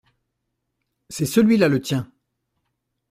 C’est celui-là le tien.